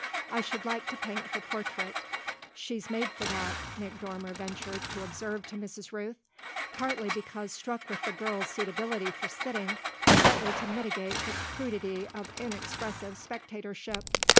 "I should like to paint her portrait; she's made for that," Nick Dormer ventured to observe to Mrs. Rooth; partly because struck with the girl's suitability for sitting, partly to mitigate the crudity of inexpressive spectatorship.